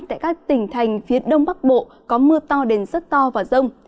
tại các tỉnh thành phía đông bắc bộ có mưa to đến rất to và rông